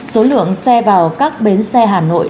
số lượng xe vào các bến xe hà nội